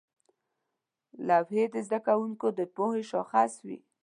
لوحې د زده کوونکو د پوهې شاخص وې.